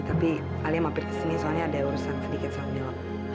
tapi alia mampir kesini soalnya ada urusan sedikit sama milo